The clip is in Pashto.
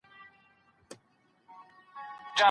په لږو او څو مختصرو الفاظو او کلماتو